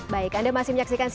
sian indonesia newscast